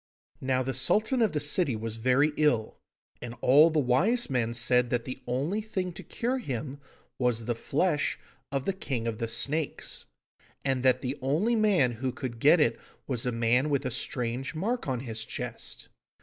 Now the Sultan of the city was very ill, and all the wise men said that the only thing to cure him was the flesh of the King of the Snakes, and that the only man who could get it was a man with a strange mark on his chest.